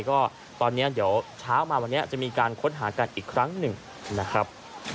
ก็ตอนนี้เดี๋ยวเช้ามาวันนี้จะมีการค้นหากันอีกครั้งหนึ่งนะครับ